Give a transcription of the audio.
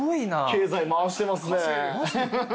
経済回してますね。